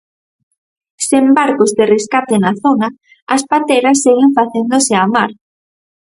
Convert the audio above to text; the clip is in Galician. Sen barcos de rescate na zona, as pateras seguen facéndose á mar.